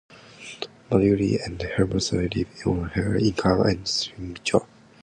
Madhuri and her mother live on her income and sewing job.